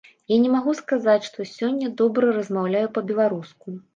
Я не магу сказаць, што сёння добра размаўляю па-беларуску.